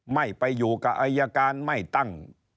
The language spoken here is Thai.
ไม่ไปอยู่กับอายการไม่ตั้ง